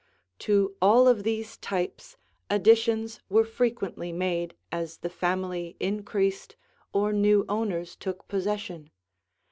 To all of these types, additions were frequently made, as the family increased, or new owners took possession.